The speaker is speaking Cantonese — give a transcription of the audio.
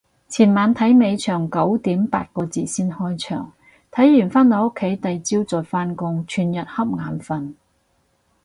前晚睇尾場九點八個字先開場，睇完返到屋企第朝再返工，全日恰眼瞓